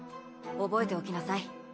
覚えておきなさい